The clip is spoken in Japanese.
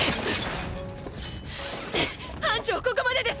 班長ここまでです！